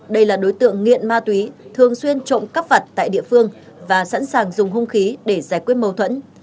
đây là đối tượng nghiện ma túy thường xuyên trộm cắp vặt tại địa phương và sẵn sàng dùng hung khí để giải quyết mâu thuẫn